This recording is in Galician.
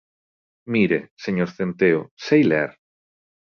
Mire, señor Centeo, sei ler.